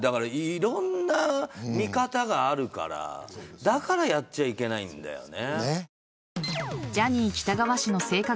いろんな見方があるからだからやっちゃいけないんだよね。